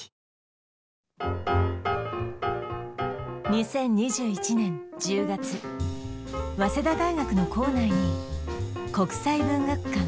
２０２１年１０月早稲田大学の構内に国際文学館